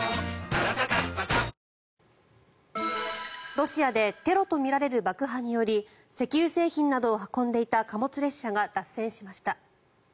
ロシアでテロとみられる爆破により石油製品などを運んでいた貨物列車が脱線しました。